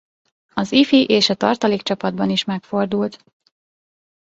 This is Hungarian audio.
Az ifi- és a tartalékcsapatban is megfordult.